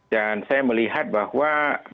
dan saya melihat bahwa